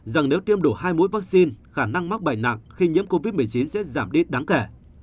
rằng nếu tiêm đủ hai mũi vaccine khả năng mắc bệnh nặng khi nhiễm covid một mươi chín sẽ giảm đi đáng kể